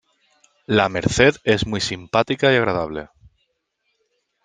La Merced es muy simpática y agradable.